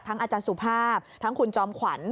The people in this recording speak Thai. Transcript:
อาจารย์สุภาพทั้งคุณจอมขวัญ